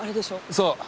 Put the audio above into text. そう。